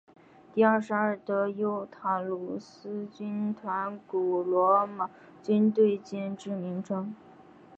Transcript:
第二十二德尤塔卢斯军团古罗马军队建制名称。